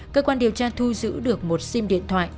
cơ quan điều tra thu giữ được một sim điện thoại